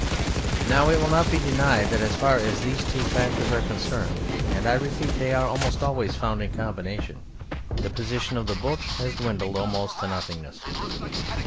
Now it will not be denied that as far as these two factors are concerned and I repeat they are almost always found in combination the position of the Book has dwindled almost to nothingness.